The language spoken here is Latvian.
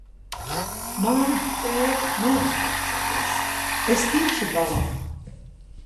Mammu, tēti, neuztraucieties, es tikšu galā!